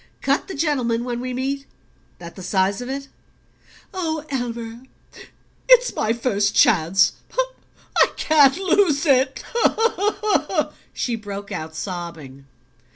Cut the gentleman when we meet? That the size of it?" "Oh, Elmer, it's my first chance I can't lose it!" she broke out, sobbing.